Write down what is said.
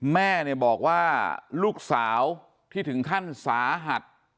แม่เนี่ยบอกว่าลูกสาวที่ถึงขั้นสาหัส